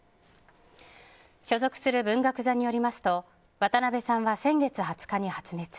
所属する文学座によりますと渡辺さんは先月２０日に発熱。